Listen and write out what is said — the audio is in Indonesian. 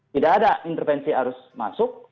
tidak ada intervensi arus masuk